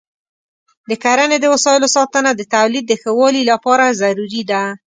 د کرنې د وسایلو ساتنه د تولید د ښه والي لپاره ضروري ده.